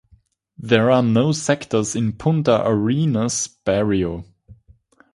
There are no sectors in Punta Arenas barrio.